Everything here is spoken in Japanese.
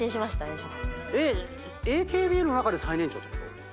ＡＫＢの中で最年長ってこと？